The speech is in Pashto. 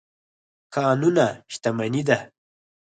کانونه شتمني ده.